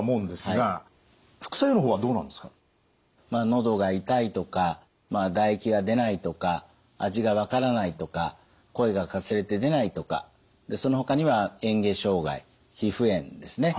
喉が痛いとか唾液が出ないとか味が分からないとか声がかすれて出ないとかそのほかには嚥下障害皮膚炎ですね